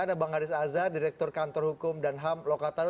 ada bang haris azhar direktur kantor hukum dan ham lokataru